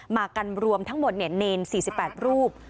มากันรวมทั้งหมดเนร๔๘รูป